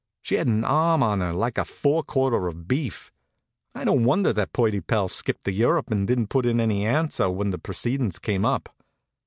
She had an arm on her like a fore quarter of beef. I don't wonder that Purdy Pell skipped to Europe and didn't put in any answer when the proceedin's came up.